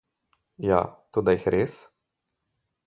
Ja, toda jih res?